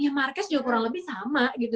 ya marques juga kurang lebih sama gitu